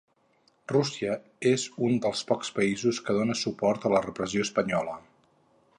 Rússia és un dels pocs països que dóna suport a la repressió espanyola.